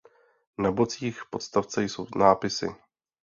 Na bocích podstavce jsou nápisy.